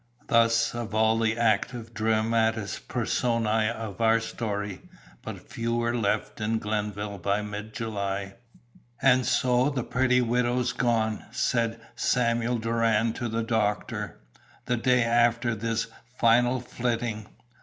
Thus of all the active dramatis personæ of our story, but few were left in Glenville by mid July. "And so the pretty widow's gone," said Samuel Doran to the doctor, the day after this final flitting.